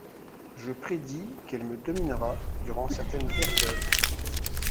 Je prédis qu'elle me dominera durant certaines périodes.